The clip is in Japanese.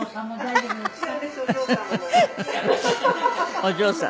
お嬢さん。